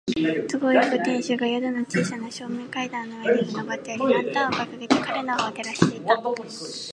都合よく、亭主が宿の小さな正面階段の上に立っており、ランタンをかかげて彼のほうを照らしていた。